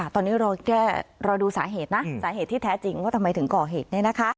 ตอนนี้รอดูสาเหตุนะสาเหตุที่แท้จริงว่าทำไมถึงก่อเหตุ